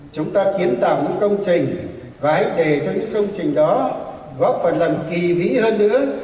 chúng ta kiến tạo những công trình và hãy để cho những công trình đó góp phần làm kỳ vĩ hơn nữa